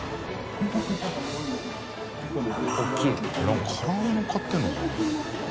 何か唐揚げのっかってるのかな？